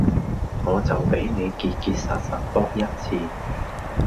我就俾你結結實實仆一次